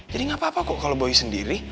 jadi gapapa kok kalau boy sendiri